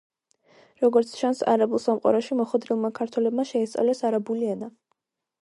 როგორც ჩანს, არაბულ სამყაროში მოხვედრილმა ქართველებმა შეისწავლეს არაბული ენა.